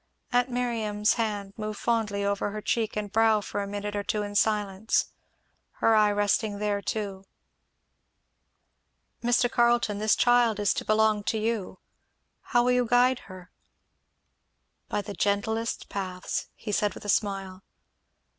Aunt Miriam's hand moved fondly over her cheek and brow for a minute or two in silence; her eye resting there too. "Mr. Carleton, this child is to belong to you how will you guide her?" "By the gentlest paths," he said with a smile.